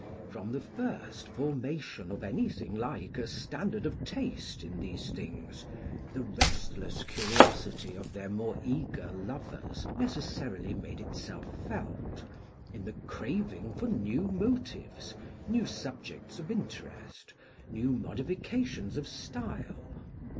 From the first formation of anything like a standard of taste in these things, the restless curiosity of their more eager lovers necessarily made itself felt, in the craving for new motives, new subjects of interest, new modifications of style.